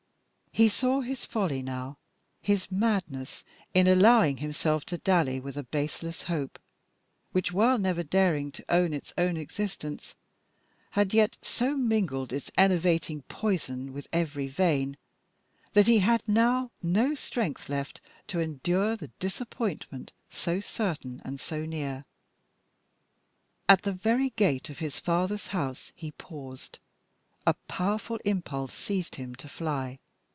He saw his folly now, his madness, in allowing himself to dally with a baseless hope, which, while never daring to own its own existence, had yet so mingled its enervating poison with every vein that he had now no strength left to endure the disappointment so certain and so near. At the very gate of his father's house he paused. A powerful impulse seized him to fly.